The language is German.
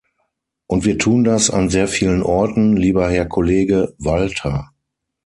Und wir tun das an sehr vielen Orten, lieber Herr Kollege Walter.